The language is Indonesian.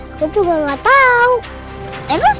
aku juga gak tau